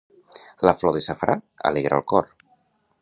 La flor de safrà alegra el cor.